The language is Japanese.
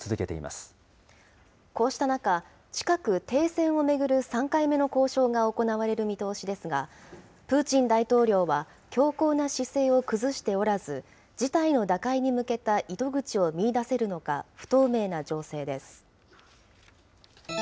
こうした中、近く、停戦を巡る３回目の交渉が行われる見通しですが、プーチン大統領は強硬な姿勢を崩しておらず、事態の打開に向けた糸口を見いだせるのか不透明な情勢です。